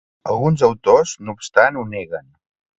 Alguns autors no obstant ho neguen.